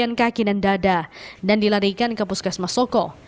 bagian kaki dan dada dan dilarikan ke puskesmas soko